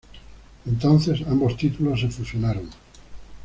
Entonces, ambos títulos se fusionaron.